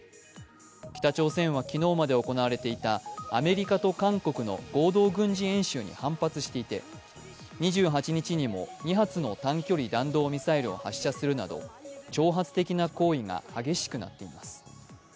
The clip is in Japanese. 北朝鮮は、昨日まで行われていたアメリカと韓国の合同軍事演習に反発していて２８日にも２発の短距離弾道ミサイルを発射するなど挑発的な行為が激しくなっています。